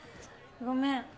ごめん。